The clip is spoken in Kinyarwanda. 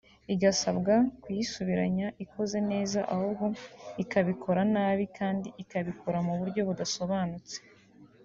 igasabwa kuyisubiranya ikoze neza ahubwo ikabikora nabi kandi ikabikora mu buryo budasobanutse